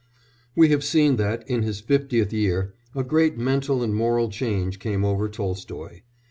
We have seen that, in his fiftieth year, a great mental and moral change came over Tolstoy.